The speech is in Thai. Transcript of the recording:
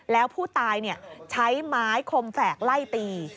แล้วผู้ตายใช้ไม้คมแฝกไล่ตี